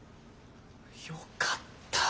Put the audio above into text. よかったぁ。